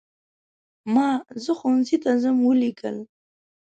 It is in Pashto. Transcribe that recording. ما "زه ښوونځي ته ځم" ولیکل.